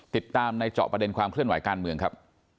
ติดตามในเจาะประเด็นความเคลื่อนไหวการเมืองครับ